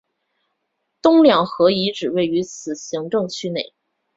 东两河遗址位于此行政区内。